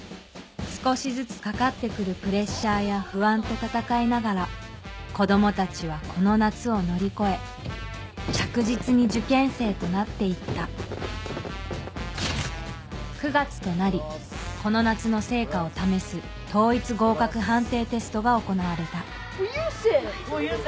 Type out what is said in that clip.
少しずつかかって来るプレッシャーや不安と闘いながら子供たちはこの夏を乗り越え着実に受験生となって行った９月となりこの夏の成果を試す統一合格判定テストが行われた佑星！